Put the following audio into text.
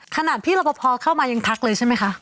ขนาดพี่รับประพอเข้ามายังทักเลยใช่ไหมคะ